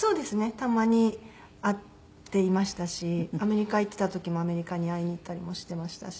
たまに会っていましたしアメリカに行っていた時もアメリカに会いに行ったりもしていましたし。